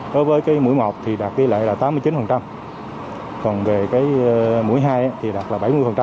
đối với cái mũi một thì đạt đi lại là tám mươi chín còn về cái mũi hai thì đạt là bảy mươi